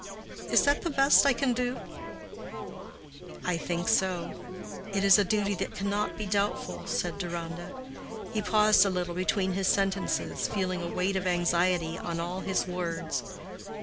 Is that the best I can do?" "I think so. It is a duty that cannot be doubtful," said Deronda. He paused a little between his sentences, feeling a weight of anxiety on all his words.